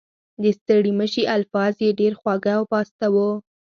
د ستړي مشي الفاظ یې ډېر خواږه او پاسته وو.